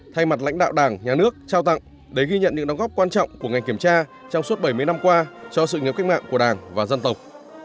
thay mặt lãnh đạo đảng nhà nước trao tặng để ghi nhận những đóng góp quan trọng của ngành kiểm tra trong suốt bảy mươi năm qua cho sự nghiệp cách mạng của đảng và dân tộc